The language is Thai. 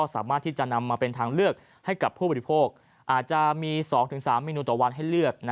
สามารถที่จะนำมาเป็นทางเลือกให้กับผู้บริโภคอาจจะมี๒๓เมนูต่อวันให้เลือก